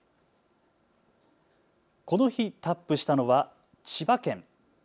この日、タップしたのは千葉県。